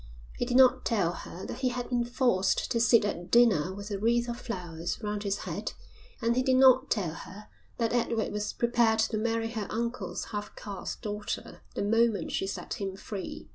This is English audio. He did not tell her that he had been forced to sit at dinner with a wreath of flowers round his head and he did not tell her that Edward was prepared to marry her uncle's half caste daughter the moment she set him free.